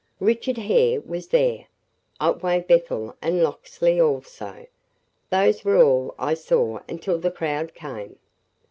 "Richard Hare was there. Otway Bethel and Locksley also. Those were all I saw until the crowd came."